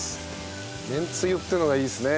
めんつゆっていうのがいいですね